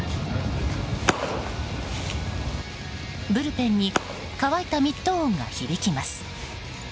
ブルペンに乾いたミット音が響きます。